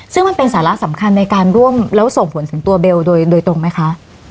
ซึ่งมันเป็นสาระสำคัญในการร่วมแล้วส่งผลถึงตัวเบลโดยตรงไหมคะ